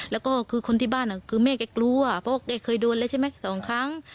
แล้วก็ที่บ้านแม่เก็กลัวเพราะว่าเก็กเคยโดนแล้วใช่ไหมสองครั้ง